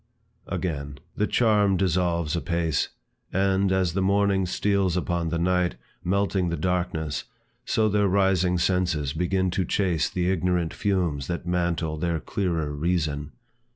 Again; The charm dissolves apace, And, as the morning steals upon the night, Melting the darkness, so their rising senses Begin to chase the ignorant fumes that mantle Their clearer reason.